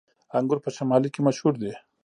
انګور په شمالی کې مشهور دي